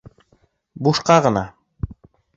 Бушҡа ғына.